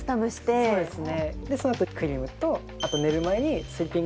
そうですね